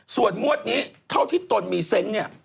ส่วนงวดนี้เท่าที่ตนมีเซนต์เนี่ย